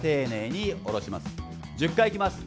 １０回いきます